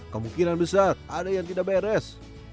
kemungkinan besar ada yang tidak beres